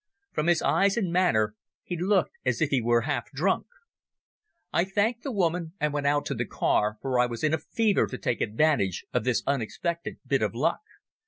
From his eyes and manner he looked as if he were half drunk. I thanked the woman, and went out to the car, for I was in a fever to take advantage of this unexpected bit of luck.